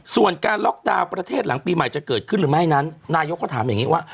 ส่วนการล็อกดาวน์ประเทศหลังปีใหม่จะเกิดขึ้นหรือไม่นั้นนายกก็ถามอย่างนี้ว่า